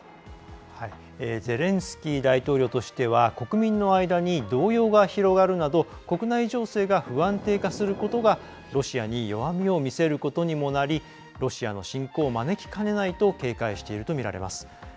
ゼレンスキー大統領としては国民の間に動揺が広がるなど国内情勢が不安定化することがロシアに弱みを見せることにもなりロシアの侵攻を招きかねないと警戒しているとみられます。